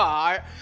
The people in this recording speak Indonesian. oh ya bener baik